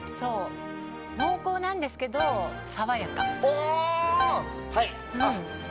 濃厚なんですけれども爽やか。